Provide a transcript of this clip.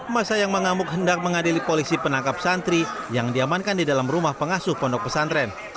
masa yang mengamuk hendak mengadili polisi penangkap santri yang diamankan di dalam rumah pengasuh pondok pesantren